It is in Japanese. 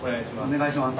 お願いします。